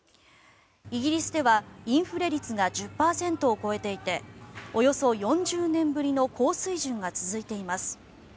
イギリスではインフレ率が１０％を超えていておよそ４０年ぶりの高水準が続いています。